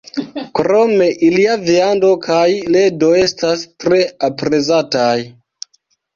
Krome, ilia viando kaj ledo estas tre aprezataj.